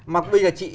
mà bây giờ chị